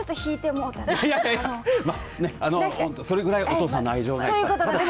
それぐらいお父さんの愛情が。